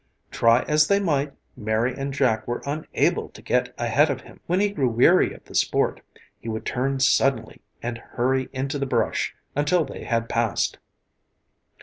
Try as they might Mary and Jack were unable to get ahead of him. When he grew weary of the sport he would turn suddenly and hurry into the brush until they had passed.